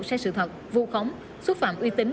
sai sự thật vu khống xúc phạm uy tín